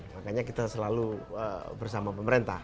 makanya kita selalu bersama pemerintah